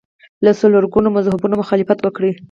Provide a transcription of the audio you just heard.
له څلور ګونو مذهبونو مخالفت وکړي